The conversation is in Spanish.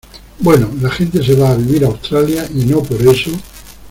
bueno, la gente se va a vivir a Australia y no por eso